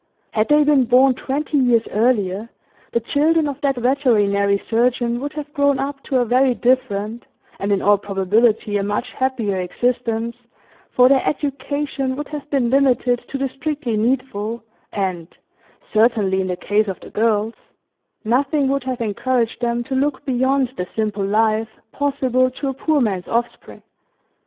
Had they been born twenty years earlier, the children of that veterinary surgeon would have grown up to a very different, and in all probability a much happier, existence, for their education would have been limited to the strictly needful, and certainly in the case of the girls nothing would have encouraged them to look beyond the simple life possible to a poor man's offspring.